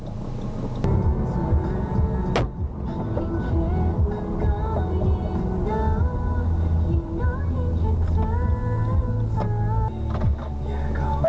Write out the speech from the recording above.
ไปครับไป